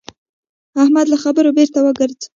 احمد له خبرې بېرته وګرځېد.